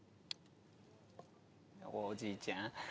おじいちゃん。